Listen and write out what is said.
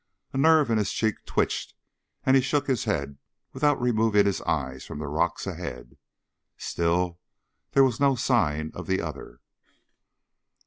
A nerve in his cheek twitched and he shook his head without removing his eyes from the rocks ahead. Still there was no sign of the other.